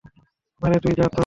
আরে তুই যা তো।